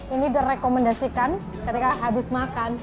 ini direkomendasikan ketika habis makan